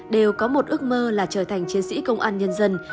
đều có một ước mơ là trở thành chiến sĩ công an nhân dân